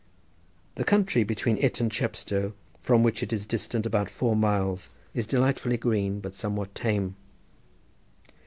The country between it and Chepstow, from which it is distant about four miles, is delightfully green, but somewhat tame.